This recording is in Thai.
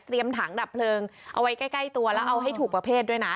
ถังดับเพลิงเอาไว้ใกล้ตัวแล้วเอาให้ถูกประเภทด้วยนะ